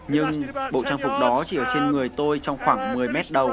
nhưng bộ trang phục đó chỉ ở trên người tôi trong khoảng một mươi m